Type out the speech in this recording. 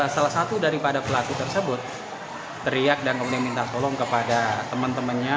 salah satu daripada pelaku tersebut teriak dan kemudian minta tolong kepada teman temannya